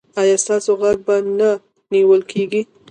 ایا ستاسو غږ به نه نیول کیږي؟